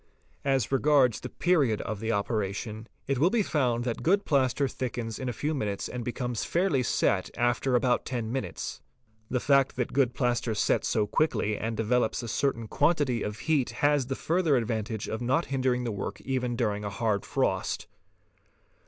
548 FOOTPRINTS As regards the period of the operation, it will be found that good plaster thickens in a few minutes and becomes fairly set after about ten minutes. The mould may then be lifted up. The fact that good plaster sets so quickly and develops a certain quantity of heat has the further advantage of not hindering the work even during a hard frost.